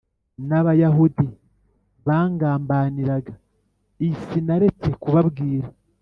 n Abayahudi bangambaniraga i Sinaretse kubabwira